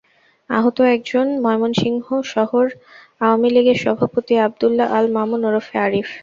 আহত একজন ময়মনসিংহ শহর আওয়ামী লীগের সভাপতি আবদুল্লাহ আল মামুন ওরফে আরিফ।